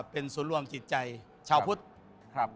เป็นสมรวมจิตใจชาวพุทธ